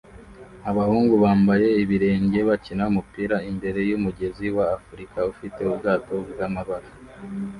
Abahungu bambaye ibirenge bakina umupira imbere yumugezi wa Afrika ufite ubwato bwamabara